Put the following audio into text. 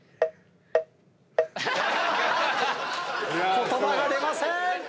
言葉が出ません！